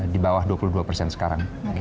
di bawah dua puluh dua persen sekarang